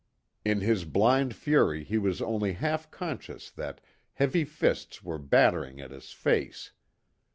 In his blind fury he was only half conscious that heavy fists were battering at his face.